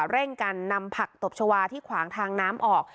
เร่งการนำผักตบชาวาที่ขวางทางน้ำออก